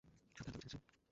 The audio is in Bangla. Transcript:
সাবধানে থেকো, ঠিক আছে?